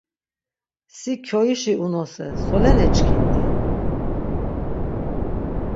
Si kyoişi unose solen eçkindi?